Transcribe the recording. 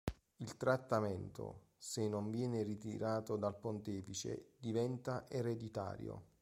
Il trattamento, se non viene ritirato dal pontefice, diventa ereditario.